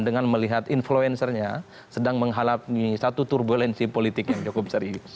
dengan melihat influencernya sedang menghalangi satu turbulensi politik yang cukup serius